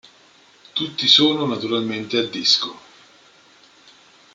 Tutti sono naturalmente a disco.